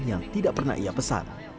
yang tidak pernah ia pesan